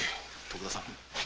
徳田さん！